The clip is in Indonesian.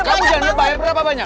kamu jangan lebay berapa banyak